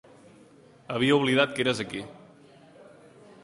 Havia oblidat que eres aquí.